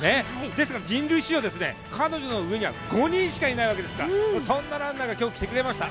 ですから人類史上彼女の上には５人しかいないわけですからそんなランナーが今日来てくれました。